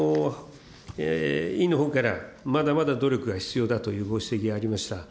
委員のほうからまだまだ努力が必要だというご指摘がありました。